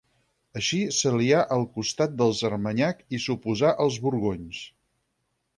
Així s'alià al costat dels Armanyac i s'oposà als Borgonyons.